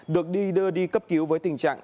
được đi đưa đi cấp cứu với tình trạng